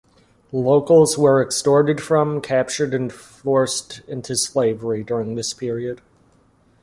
Locals were extorted from, captured and forced into slavery during this period.